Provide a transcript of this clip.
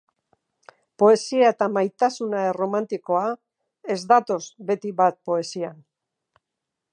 Poesia eta maitasuna erromantikoa ez datoz beti bat poesian.